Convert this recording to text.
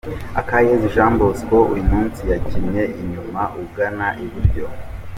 Akayezu Jean Bosco uyu munsi yakinnye inyuma ugana iburyo.